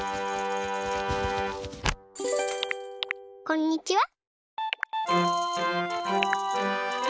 こんにちは。